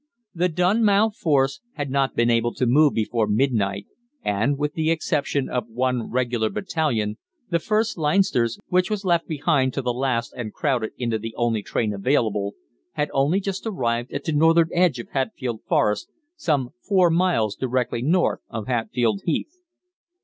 The Dunmow force had not been able to move before midnight, and, with the exception of one regular battalion, the 1st Leinsters, which was left behind to the last and crowded into the only train available, had only just arrived at the northern edge of Hatfield Forest, some four miles directly north of Hatfield Heath.